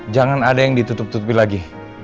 jangan ada yang ditutup tutupi lagi